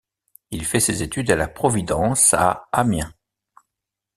Il fait ses études à la Providence à Amiens.